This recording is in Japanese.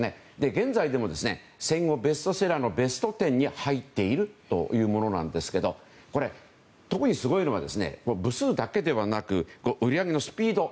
現在でも、戦後ベストセラーのベスト１０に入っているものなんですけど特にすごいのが部数だけではなく売り上げのスピード。